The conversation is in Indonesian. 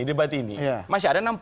debat ini masih ada